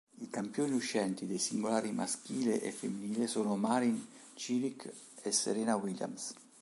I campioni uscenti dei singolari maschile e femminile sono Marin Čilić e Serena Williams.